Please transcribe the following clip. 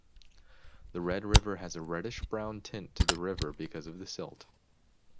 The red river has a reddish-brown tint to the river because of the silt.